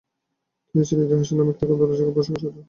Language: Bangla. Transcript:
তিনি চীনের ইতিহাস নামে একটি গ্রন্থ লিখে প্রকাশ করেন।